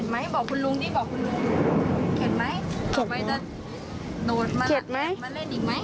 มาเล่นอีกไหม